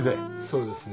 そうですね。